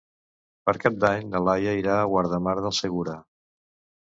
Per Cap d'Any na Laia irà a Guardamar del Segura.